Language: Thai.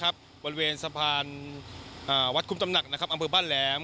บริเวณสะพานวัดคุ้มตำหนักอำเภอบ้านแหลม